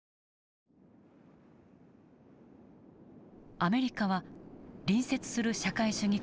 アメリカは隣接する社会主義国